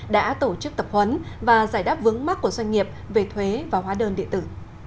đã tổ chức tập huấn và giải đáp vướng mắt của doanh nghiệp về thuế và hóa đơn điện tử